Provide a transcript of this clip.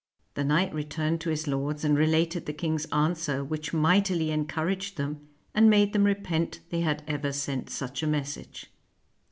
The knight returned to his lords and related the king's answer, which mightily en couraged them, and made them repent they had ever sent such a message.